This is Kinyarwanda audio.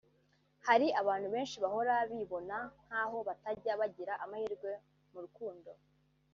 Hari abantu benshi bahora bibona nk’aho batajya bagira amahirwe mu rukundo